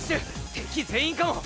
敵全員かも！